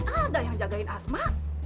kan ada si alda yang jagain asma